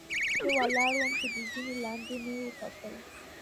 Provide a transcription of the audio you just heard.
زۀ ولاړ ووم چې د زنې لاندې مې وکتل